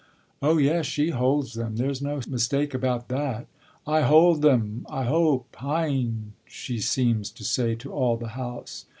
"Oh yes, she holds them; there's no mistake about that. 'I hold them, I hope, hein?' she seems to say to all the house."